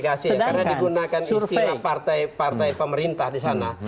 karena digunakan istilah partai partai pemerintah di sana